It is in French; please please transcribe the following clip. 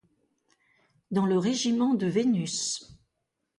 Dans le régiment de Vénus